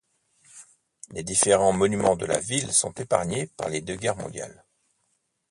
Les différents monuments de la ville sont épargnés par les deux guerres mondiales.